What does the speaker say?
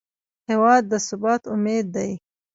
هېواد د ثبات امید دی.